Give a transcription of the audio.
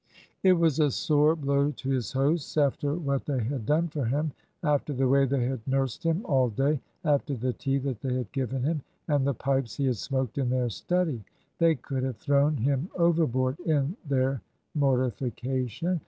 It was a sore blow to his hosts. After what they had done for him, after the way they had nursed him all day, after the tea they had given him, and the pipes he had smoked in their study! They could have thrown him overboard in their mortification.